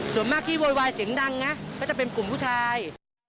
ส่วนมากที่โวยวายเสียงดังนะก็จะเป็นกลุ่มผู้ชาย